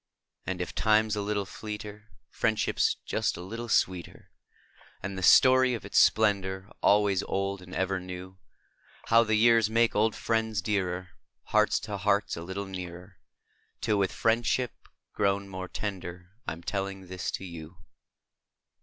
y\AJD if time's a little / V fleeter, friendship s just a little sxx>eeter, And the storp o" its splendor AlvOaps old and eVer neu); Hovc> the pears make old friends dearet~, Hearts to hearts a little nearer Till voith friendship pro>xm more tender I am tellina this to ou.